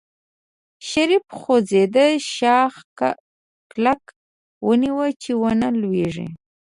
شريف خوځنده شاخ کلک ونيو چې ونه لوېږي.